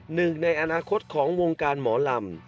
หนึ่งในอนาคตของวงการหมอลำ